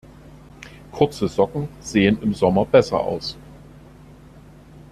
Kurze Socken sehen im Sommer besser aus.